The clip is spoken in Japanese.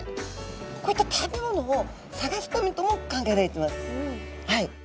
こういった食べ物を探すためとも考えられてます。